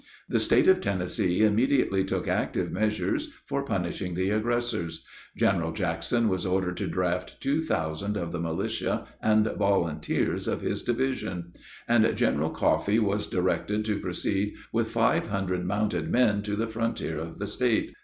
The state of Tennessee immediately took active measures for punishing the aggressors. General Jackson was ordered to draft two thousand of the militia and volunteers of his division; and General Coffee was directed to proceed with five hundred mounted men to the frontier of the state.